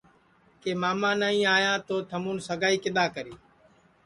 کہ ماما نائی آیا تو تھمُون سگائی کِدؔا کری